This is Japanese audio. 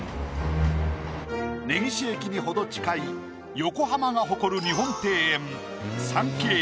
根岸駅に程近い横浜が誇る日本庭園。